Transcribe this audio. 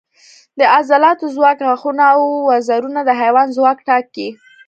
د عضلاتو ځواک، غاښونه او وزرونه د حیوان ځواک ټاکي.